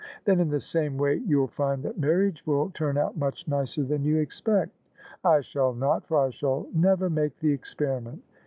" Then in the same way you'll find that marriage will turn out much nicer than you expect." " I shall not: for I shall never make the experiment."